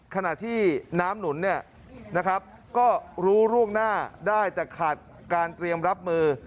ขณะที่น้ำหนุนก็รู้ร่วงหน้าได้แต่ขาดการเตรียมรับมือ